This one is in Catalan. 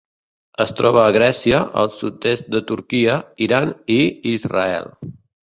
Es troba a Grècia, al sud-est de Turquia, Iran i Israel.